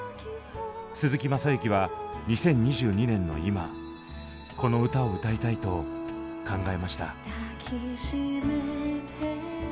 鈴木雅之は２０２２年の今この歌をうたいたいと考えました。